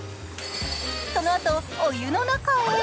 その後、お湯の中へ。